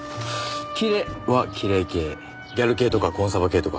「キレ」はキレイ系ギャル系とかコンサバ系とか。